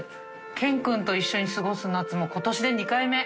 けん君と一緒に過ごす夏も今年で２回目」